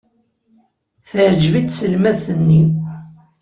Teɛjeb-it tselmadt-nni.